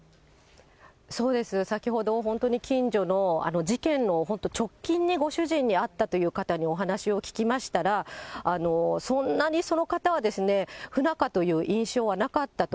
そうです、先ほど本当に近所の事件の本当、直近にご主人に会ったという方にお話を聞きましたら、そんなに、その方は、不仲という印象はなかったと。